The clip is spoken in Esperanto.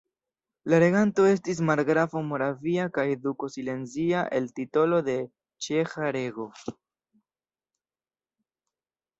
La reganto estis margrafo moravia kaj duko silezia el titolo de ĉeĥa reĝo.